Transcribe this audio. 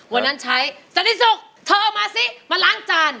วันนั้นใช้สติสุกเธอเอามาสิมาล้างจาน